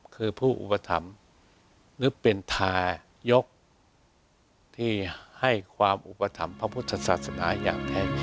คือผู้อุปธรรมหรือเป็นทายกที่ให้ความอุปธรรมพระพุทธศาสนา